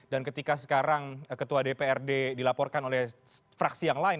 dan ketika sekarang ketua dprd dilaporkan oleh fraksi yang lain